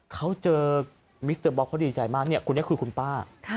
เขาเจอมิสเตอร์บ๊อบเขาดีใจมากเนี่ยคุณเนี่ยคือคุณป้า